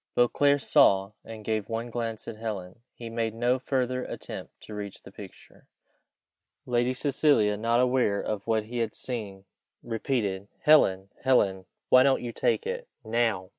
Beauclerc saw, and gave one glance at Helen. He made no further attempt to reach the picture. Lady Cecilia, not aware of what he had seen, repeated, "Helen! Helen! why don't you take it? now!